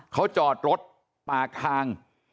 เขาจอดรถปากทาง